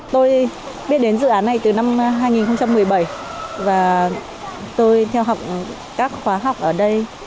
tôi biết đến dự án này từ năm hai nghìn một mươi bảy và tôi theo học các khóa học ở đây